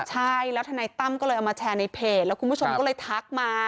ใช่แล้วทนายตั้มก็เลยเอามาแชร์ในเพจแล้วคุณผู้ชมก็เลยทักมา